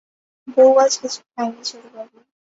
বৌ আজ কিছু খায়নি ছোটবাবু।